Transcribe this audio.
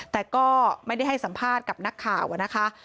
แต่ก็ไม่ได้ให้สัมภาษณ์กับนักข่าวนะคะ